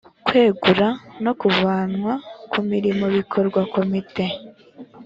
kwegura no kuvanwa ku mirimo bikorwa komite.